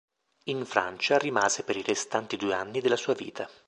In Francia rimase per i restanti due anni della sua vita.